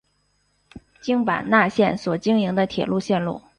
京阪奈线所经营的铁道路线。